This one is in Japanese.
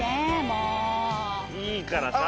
いいからさぁ。